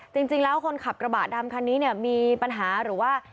จริงแล้วคนขับกระบะดำคันนี้เนี่ยมีปัญหาหรือว่า